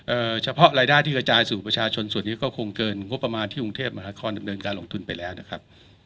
เฉพาะรายได้ที่กระจายสู่ประชาชนส่วนนี้ก็คงเกินงบประมาณที่กรุงเทพมหานครดำเนินการลงทุนไปแล้วนะครับ